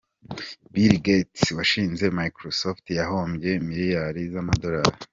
Bill Gates, washinze Microsoft, yahombye miliyari z’amadolari.